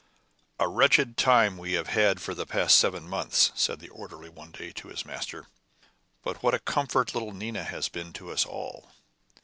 "A wretched time we have had for the last seven months," said the orderly one day to his master; "but what a comfort little Nina has been to us all!"